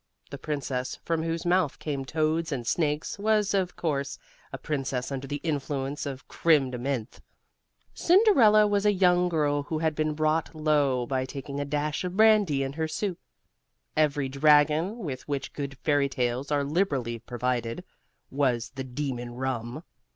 The princess from whose mouth came toads and snakes was (of course) a princess under the influence of creme de menthe. Cinderella was a young girl who had been brought low by taking a dash of brandy in her soup. Every dragon, with which good fairy tales are liberally provided, was the Demon Rum.